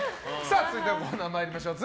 続いてはこのコーナーに参りましょう。